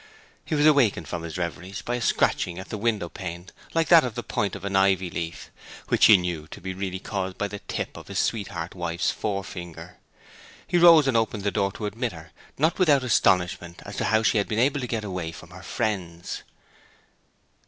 He was awakened from his reveries by a scratching at the window pane like that of the point of an ivy leaf, which he knew to be really caused by the tip of his sweetheart wife's forefinger. He rose and opened the door to admit her, not without astonishment as to how she had been able to get away from her friends.